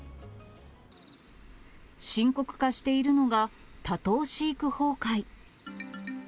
深刻化しているのが、多頭飼育崩壊。